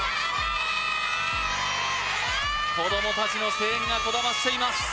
子ども達の声援がこだましています